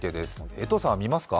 江藤さんは見ますか？